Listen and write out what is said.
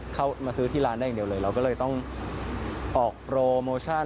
เข้ามาซื้อที่ร้านได้อย่างเดียวเลยเราก็เลยต้องออกโปรโมชั่น